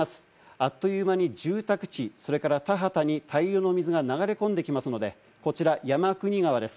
あっという間に住宅地、それから高畑に大量の水が流れ込んできますので、こちら山国川です。